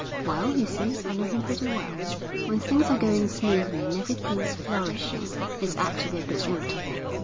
'Well, you see, I know him pretty well. When things are going smoothly and everything's flourishing, he's apt to be a bit irritable.